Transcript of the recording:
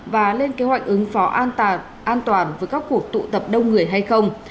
và lên kế hoạch ứng phó an toàn với các cuộc tụ tập đông người hay không